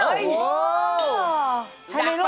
ที่พอจับกีต้าร์ปุ๊บ